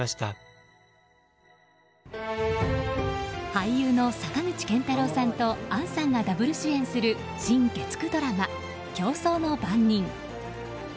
俳優の坂口健太郎さんと杏さんがダブル主演する新月９ドラマ「競争の番人」。